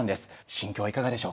心境はいかがでしょうか。